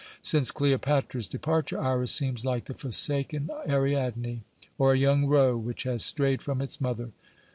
Since Cleopatra's departure, Iras seems like the forsaken Ariadne, or a young roe which has strayed from its mother.